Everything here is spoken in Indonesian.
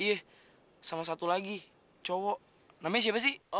yeh sama satu lagi cowok namanya siapa sih